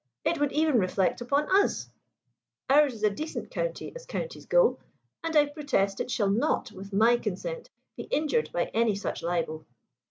It would even reflect upon us. Ours is a decent county, as counties go, and I protest it shall not, with my consent, be injured by any such libel."